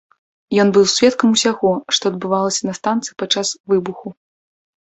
Ён быў сведкам усяго, што адбывалася на станцыі падчас выбуху.